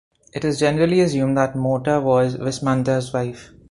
It is generally assumed that Morta was Vismantas' wife.